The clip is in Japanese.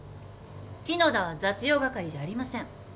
篠田は雑用係じゃありません。